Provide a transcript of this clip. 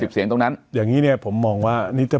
๒๕๐เสียงตรงนั้น